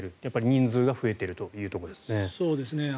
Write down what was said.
人数が増えているというところですね。